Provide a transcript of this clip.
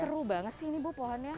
seru banget sih ini bu pohonnya